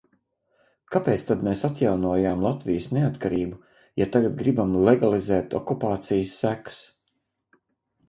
Kāpēc tad mēs atjaunojām Latvijas neatkarību, ja tagad gribam legalizēt okupācijas sekas?